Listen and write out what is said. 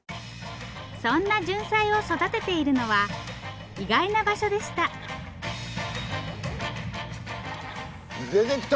そんなじゅんさいを育てているのは意外な場所でした出てきた！